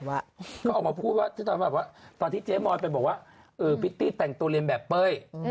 ก็ออกมาพูดว่าตอนที่เจ๊มอยไปบอกว่าพริตตี้แต่งตัวเรียนแบบเป้ย